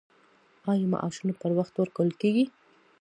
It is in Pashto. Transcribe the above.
آیا معاشونه پر وخت ورکول کیږي؟